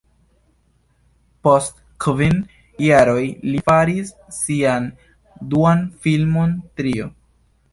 Post kvin jaroj li faris sian duan filmon, "Trio".